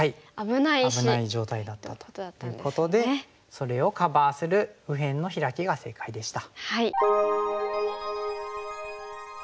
危ない状態だったということでそれをカバーする右辺のヒラキが正解でした。